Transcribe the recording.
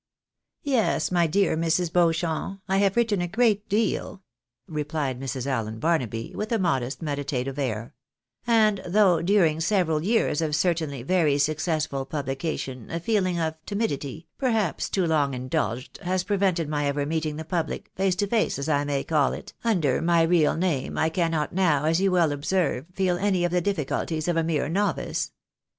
" Yes, my dear Mrs. Beauchamp, I have written a good deal," replied Mrs. Allen Barnaby, with a modest, meditative air ;" and though during several years of certainly very successful publication a feeling of timidity, perhaps too long indulged, has prevented my ever meeting the public, face to face as I may call it, under my real name, I cannot now, as you well observe, feel any of the difficulties of a mere novice.